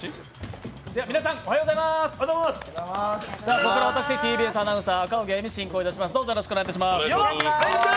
ここから私ＴＢＳアナウンサー・赤荻歩進行いたします。